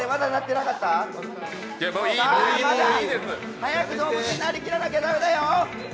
早く動物になりきらなきゃ駄目だよ。